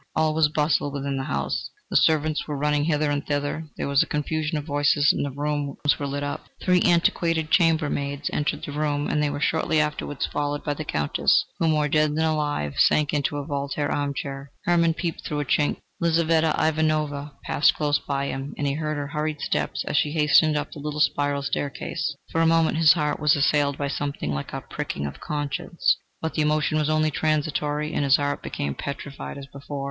All was bustle within the house. The servants were running hither and thither, there was a confusion of voices, and the rooms were lit up. Three antiquated chamber maids entered the bedroom, and they were shortly afterwards followed by the Countess who, more dead than alive, sank into a Voltaire armchair. Hermann peeped through a chink. Lizaveta Ivanovna passed close by him, and he heard her hurried steps as she hastened up the little spiral staircase. For a moment his heart was assailed by something like a pricking of conscience, but the emotion was only transitory, and his heart became petrified as before.